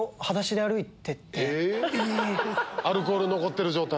アルコール残ってる状態？